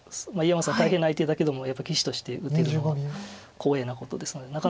井山さん大変な相手だけどもやっぱり棋士として打てるのは光栄なことですので。